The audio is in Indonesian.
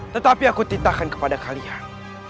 tetapi aku tintakan kepada kalian